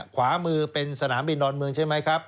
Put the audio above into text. ขวามือเป็นสนามบินดอนเมืองใช่ไหมครับ